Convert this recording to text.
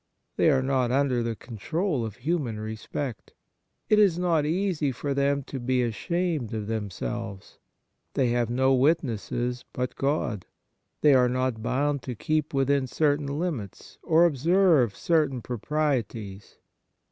They are not under the control of human respect. It is not easy for them to be ashamed of themselves. They have no witnesses but God. They are not bound to keep within certain limits or observe certain proprieties.